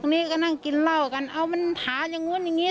นี้ก็นั่งกินเหล้ากันเอามันถามอย่างนู้นอย่างนี้